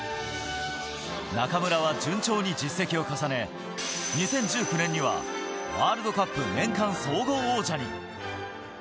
中村は順調に実績を重ね、２０１９年にはワールドカップ年間総合王者に。